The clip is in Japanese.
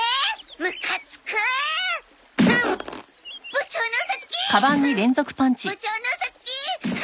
部長のうそつき！